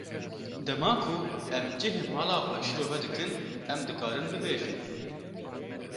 Dema ku em cihê mala xwe şîrove dikin, em dikarin bibêjin.